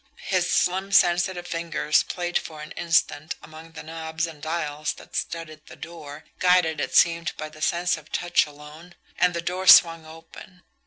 His slim, sensitive fingers played for an instant among the knobs and dials that studded the door, guided, it seemed by the sense of touch alone and the door swung open.